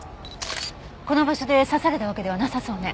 この場所で刺されたわけではなさそうね。